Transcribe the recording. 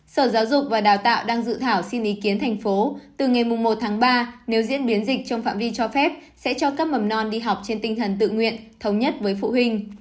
sở giáo dục và đào tạo đang dự thảo xin ý kiến thành phố từ ngày một tháng ba nếu diễn biến dịch trong phạm vi cho phép sẽ cho các mầm non đi học trên tinh thần tự nguyện thống nhất với phụ huynh